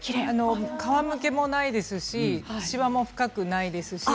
皮むけもないですししわも深くないですし